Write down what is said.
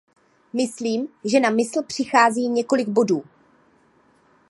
Myslím, že na mysl přichází několik bodů.